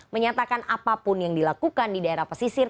menyatakan apapun yang dilakukan di daerah pesisir